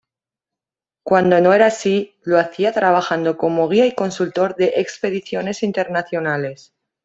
Cuando no era así, lo hacía trabajando como guía y consultor de expediciones internacionales.